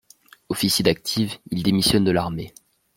Officier d'active, il démissionne de l'armée.